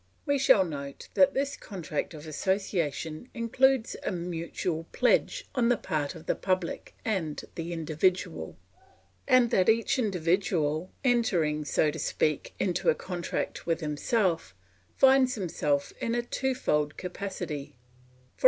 We shall note that this contract of association includes a mutual pledge on the part of the public and the individual; and that each individual, entering, so to speak, into a contract with himself, finds himself in a twofold capacity, i.e.